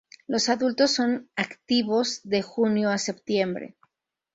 Los adultos son activos de junio a septiembre.